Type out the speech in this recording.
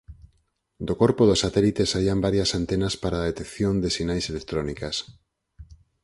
Do corpo do satélite saían varias antenas para a detección de sinais electrónicas.